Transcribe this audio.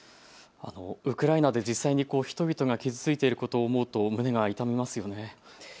ウクライナで実際に人々が傷ついていることを思うと胸が痛みますよね。